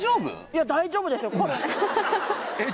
いや大丈夫ですよえ